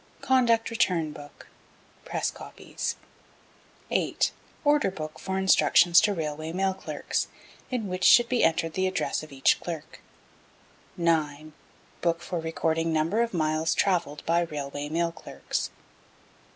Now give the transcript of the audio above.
Conduct Return Book (press copies). 8. Order Book for instructions to Railway Mail Clerks, in which should be entered the address of each clerk. 9. Book for recording number of miles travelled by Railway Mail Clerks.